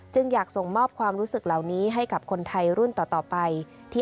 อยากส่งมอบความรู้สึกเหล่านี้ให้กับคนไทยรุ่นต่อไป